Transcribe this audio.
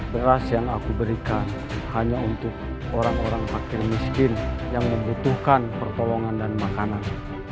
beras yang aku berikan hanya untuk orang orang fakir miskin yang membutuhkan pertolongan dan makanan